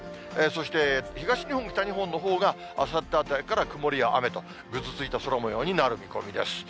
そして東日本、北日本のほうがあさってあたりから、曇りや雨と、ぐずついた空もようになる見込みです。